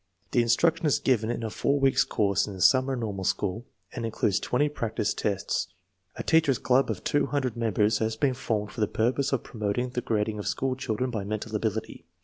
The instruction is given in a four weeks course in the summer normal school, and in cludes twenty practice tests. A teachers' dub of two hundred members has been formed for the purpose of promoting the grading of school children by mental ability.